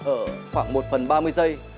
ở khoảng một phần ba mươi giây